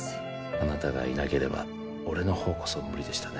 あなたがいなければ俺のほうこそ無理でしたね